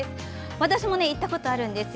私も行ったことがあるんですよ。